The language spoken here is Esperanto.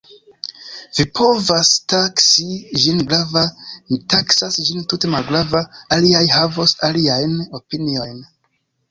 Vi povas taksi ĝin grava, mi taksas ĝin tute malgrava, aliaj havos aliajn opiniojn.